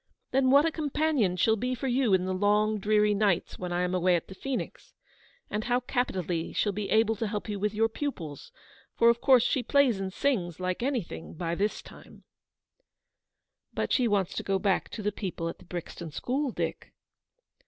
Then what a companion she'll be for you in the long dreary nights when I am away at the Phoenix, and how capitally she'll be able to help you with your pupils ; for, of course, she plays and sings, like anything, by this time/ ' "But she wants to go back to the people at the Brixton school, Dick."